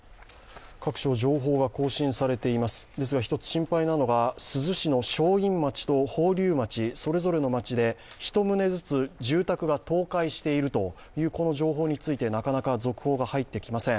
各所、情報が更新されています、ですが、１つ心配なのが珠洲市の正院町と宝立町それぞれの町で１棟ずつ住宅が倒壊しているという情報についてなかなか続報が入ってきません。